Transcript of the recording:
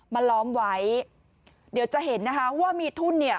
ล้อมไว้เดี๋ยวจะเห็นนะคะว่ามีทุ่นเนี่ย